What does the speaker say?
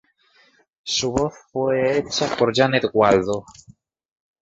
Su voz fue hecha por Janet Waldo.